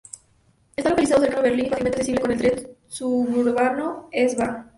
Está localizado cercano a Berlín y fácilmente accesible con el tren suburbano "S-Bahn.